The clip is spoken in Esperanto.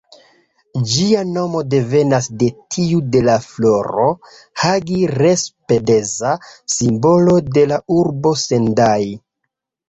Ĝia nomo devenas de tiu de la floro ""Hagi-Lespedeza"", simbolo de la urbo Sendai.